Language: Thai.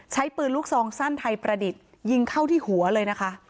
ใช้ปืนลูกซองสั้นไทยประดิษฐ์ยิงเข้าที่หัวเลยนะคะ